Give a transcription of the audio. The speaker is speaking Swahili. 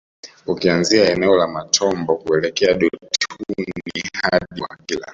Ukianzia eneo la Matombo kuelekea Dutuni hadi Bwakila